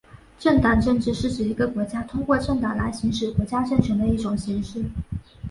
政党政治是指一个国家通过政党来行使国家政权的一种形式。